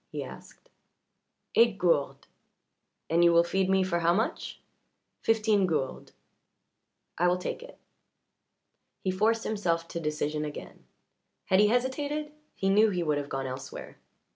he asked. "Eight gourdes." "And you will feed me for how much?" "Fifteen gourdes." "I will take it." He forced himself to decision again; had he hesitated he knew he would have gone elsewhere.